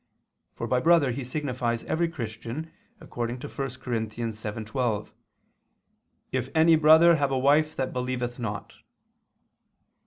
(for by brother he signifies every Christian, according to 1 Cor. 7:12, "If any brother have a wife that believeth not").